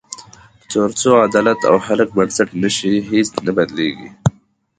تر څو عدالت او خلک بنسټ نه شي، هیڅ نه بدلېږي.